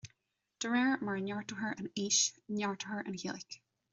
De réir mar a neartófar an fhís, neartófar an Ghaeilge